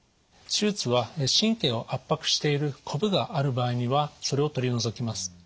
手術は神経を圧迫しているコブがある場合にはそれを取り除きます。